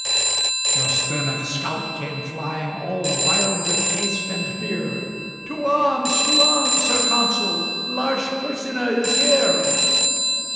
Just then a scout came flying, All wild with haste and fear: "To arms! to arms! Sir Consul: Lars Porsena is here."